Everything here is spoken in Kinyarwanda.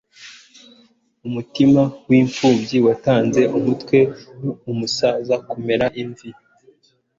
Umutima w'imfubyi watanze umutwe w'umusaza kumera imvi